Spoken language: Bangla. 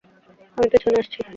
আমি পেছনে আসছি।